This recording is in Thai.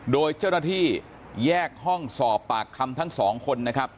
โดยเจ้าหน้าที่แยกห้องสอบปากคำทั้งสองคนนะครับ